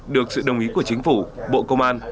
được sự đồng ý của chính phủ bộ công an